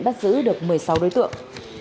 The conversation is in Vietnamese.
được một mươi sáu đối tượng